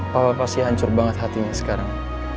papa pasti hancur banget hatinya sekarang